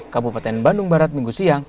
kabupaten bandung barat minggu siang